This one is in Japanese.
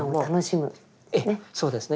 ええそうですね。